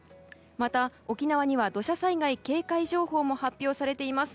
また、沖縄には土砂災害警戒情報も発表されています。